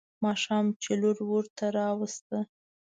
ماښام چې لور ورته راوسته.